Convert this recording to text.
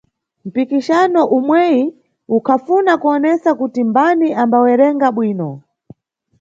Mpikisano umweyi ukhafuna kuwonesa kuti mbani ambawerenga bwino.